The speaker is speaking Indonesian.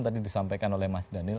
tadi disampaikan oleh mas daniel